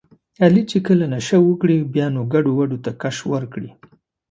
علي چې کله نشه وکړي بیا نو ګډوډو ته کش ورکړي.